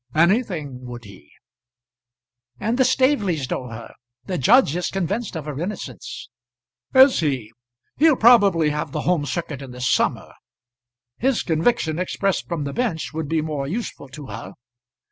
"Anything, would he?" "And the Staveleys know her. The judge is convinced of her innocence." "Is he? He'll probably have the Home Circuit in the summer. His conviction expressed from the bench would be more useful to her.